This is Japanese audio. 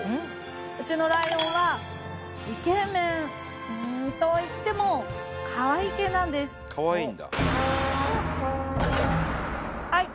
うちのライオンはイケメンといってもかわいい系なんですはい